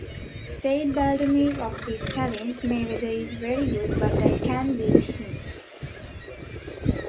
Said Baldomir of this challenge: Mayweather is very good, but I can beat him.